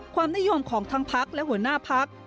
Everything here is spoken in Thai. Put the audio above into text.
ความนิยมของทั้งพักและหัวหน้าพัก